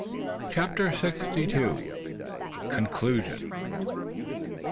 CHAPTER SIXTY TWO. CONCLUSION.